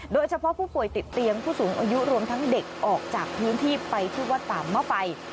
โดยเฉพาะผู้ป่วยติดเตียงผู้สูงอายุรวมทั้งเด็กออกจากพื้นที่ไปที่วัดป่ามะไฟ